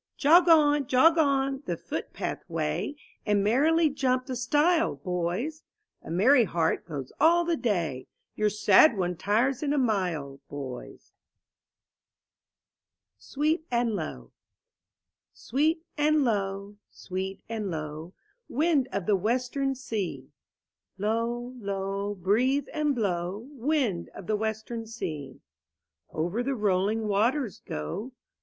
TOG on, jog on, the footpath way, ^ And merrily jump the stile, boys; A merry heart goes all the day. Your sad one tires in a mile, boys. — Shakespeare. i6 IN THE NURSERY Sweet and low, sweet and low, Wind of the western sea, Low, low, breathe and blow. Wind of the western sea, Over the rolling waters go.